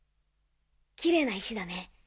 きれいな石だね。